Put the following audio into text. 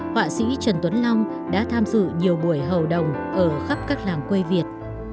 họa sĩ trần tuấn long đã tham dự nhiều buổi hầu đồng ở khắp các làng quê việt